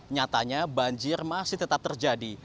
nyatanya banjir masih tetap terjadi